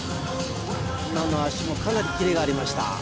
今の脚もかなりキレがありました